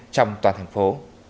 trong toàn thành phố